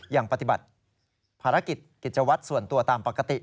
ยังปฏิบัติภารกิจกิจวัตรส่วนตัวตามปกติ